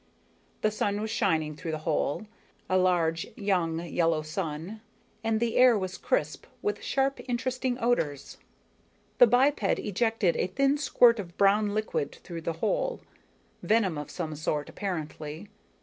The sun was shining through the hole, a large young yellow sun, and the air was crisp, with sharp interesting odors._ _The biped ejected a thin squirt of brown liquid through the hole venom of some sort, apparently.